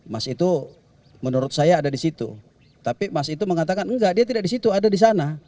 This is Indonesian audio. mas itu menurut saya ada di situ tapi mas itu mengatakan enggak dia tidak di situ ada di sana